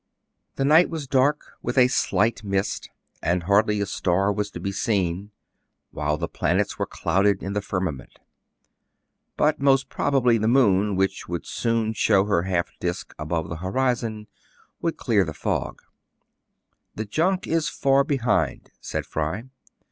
The night was dark, with a slight mist ; and hardly a star was to be seen, while the planets were clouded in the firmament. But, most probably, the moon, which would soon show her half disk above the horizon, would clear the fog. The junk is far behind," said Fry.